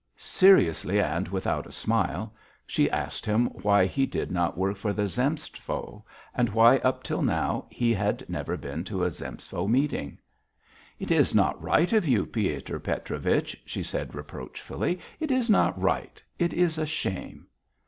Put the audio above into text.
Seriously and without a smile, she asked him why he did not work for the Zemstvo and why up till now he had never been to a Zemstvo meeting. "It is not right of you, Piotr Petrovich," she said reproachfully. "It is not right. It is a shame."